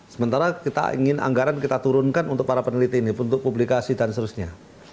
sementara kita ingin anggaran kita turunkan untuk para peneliti ini untuk publikasi dan seterusnya